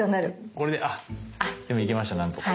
これであでも行けましたなんとか。